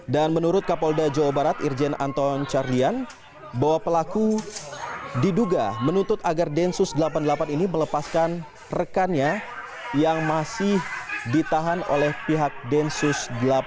dan menurut kapolda jawa barat irjen anton carlyan bahwa pelaku diduga menuntut agar densus delapan puluh delapan ini melepaskan rekannya yang masih ditahan oleh pihak densus delapan puluh delapan